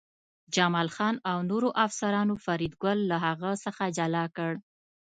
جمال خان او نورو افسرانو فریدګل له هغه څخه جلا کړ